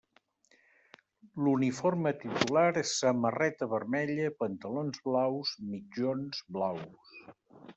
L'uniforme titular és Samarreta Vermella, pantalons blaus, mitjons blaus.